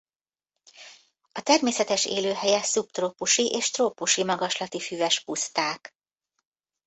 A természetes élőhelye szubtrópusi és trópusi magaslati füves puszták.